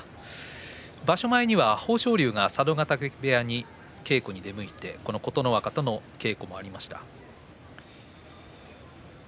場所前には豊昇龍が佐渡ヶ嶽部屋に稽古に出向いてこの琴ノ若との稽古もありました。